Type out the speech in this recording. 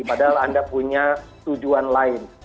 padahal anda punya tujuan lain